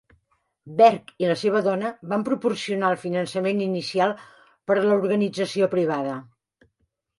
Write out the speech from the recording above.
Bergh i la seva dona van proporcionar el finançament inicial per a l'organització privada.